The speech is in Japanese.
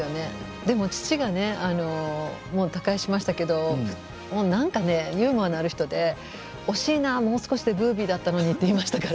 でも父がね、他界しましたけどもうなんかねユーモアのある人で惜しいなもう少しでブービーだったのにと言いましたから。